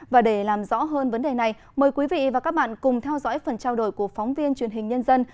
và để làm rõ hơn vấn đề này mời quý vị và các bạn cùng theo dõi phần trao đổi của phóng viên truyền hình nhân dân